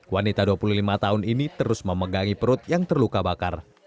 wanita dua puluh lima tahun ini terus memegangi perut yang terluka bakar